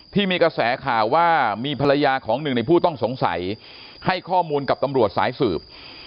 ที่มีกระแสข่าวว่ามีภรรยาของหนึ่งในผู้ต้องสงสัยให้ข้อมูลกับตำรวจสายสืบ